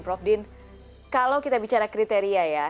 prof din kalau kita bicara kriteria ya